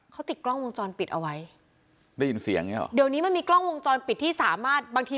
เขาติดกล้องวงจรปิดเอาไว้